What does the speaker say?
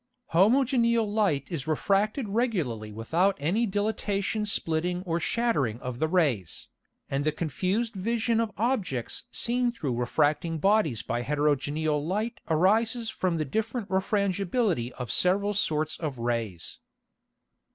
_Homogeneal Light is refracted regularly without any Dilatation splitting or shattering of the Rays, and the confused Vision of Objects seen through refracting Bodies by heterogeneal Light arises from the different Refrangibility of several sorts of Rays.